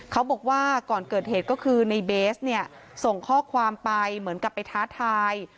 เขาบอกว่าก่อนเกิดเหตุก็คือในเบสเนี่ยส่งข้อความไปเหมือนกับไปท้าทาย